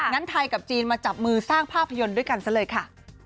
ไทยกับจีนมาจับมือสร้างภาพยนตร์ด้วยกันซะเลยค่ะ